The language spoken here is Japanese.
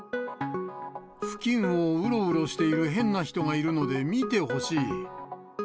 付近をうろうろしている変な人がいるので見てほしい。